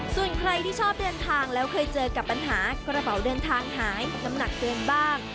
ส่วนใครที่ชอบเดินทางแล้วเคยเจอกับปัญหากระเป๋าเดินทางหายน้ำหนักเกินบ้าง